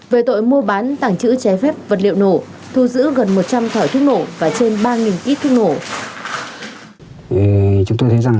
về tội mua bán tảng chữ chế phép vật liệu nổ thu giữ gần một trăm linh thỏi thuốc nổ và trên ba kít thuốc nổ